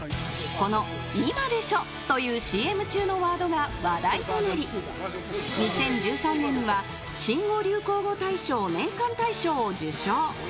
この「今でしょ！」というＣＭ中のワードが話題となり２０１３年には新語・流行語年間大賞を受賞。